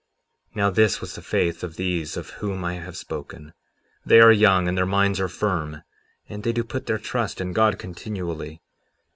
57:27 Now this was the faith of these of whom I have spoken; they are young, and their minds are firm, and they do put their trust in God continually.